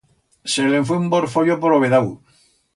Se le'n fue un borfollo por o vedau.